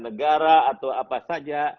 negara atau apa saja